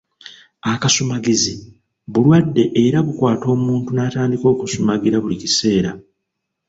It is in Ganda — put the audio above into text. Akasumagizi bulwadde era bukwata omuntu n'atandika okusumagira buli kiseera.